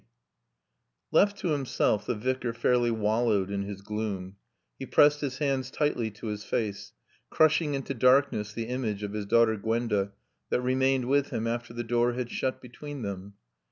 XXXIII Left to himself, the Vicar fairly wallowed in his gloom. He pressed his hands tightly to his face, crushing into darkness the image of his daughter Gwenda that remained with him after the door had shut between them.